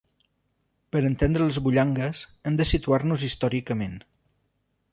Per entendre les Bullangues hem de situar-nos històricament.